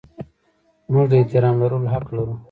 موږ د احترام لرلو حق لرو.